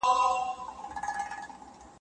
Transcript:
لکه مات هډ به بس په موږه کوشیریږي وطن